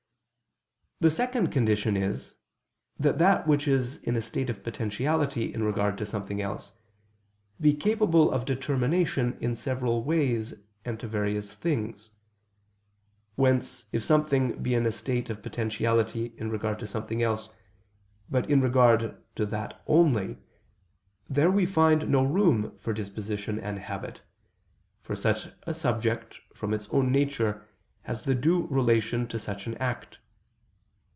The second condition is, that that which is in a state of potentiality in regard to something else, be capable of determination in several ways and to various things. Whence if something be in a state of potentiality in regard to something else, but in regard to that only, there we find no room for disposition and habit: for such a subject from its own nature has the due relation to such an act.